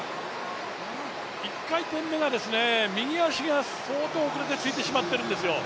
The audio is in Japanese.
１回転目が右足が相当遅れて突いてしまってるんですよ。